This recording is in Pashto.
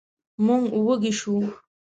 موږ وږي شوو.